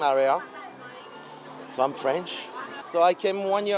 tôi đang ở trong văn hóa của quốc gia